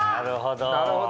なるほど。